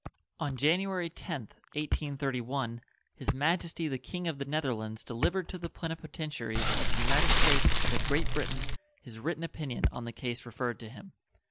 On January 10th, 1831 His Majesty the King of the Netherlands delivered to the plenipotentiaries of the United States and of Great Britain his written opinion on the case referred to him.